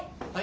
はい！